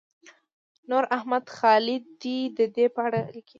نوراحمد خالدي د دې په اړه لیکلي.